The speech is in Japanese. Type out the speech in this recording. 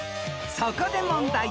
［そこで問題］